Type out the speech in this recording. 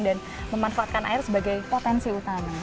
dan memanfaatkan air sebagai potensi utama